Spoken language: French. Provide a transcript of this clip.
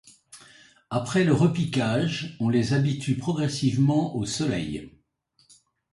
Après le repiquage on les habitue progressivement au soleil.